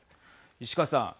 石川さん。